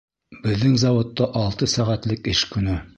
Беҙҙең заводта алты сәғәтлек эш көнө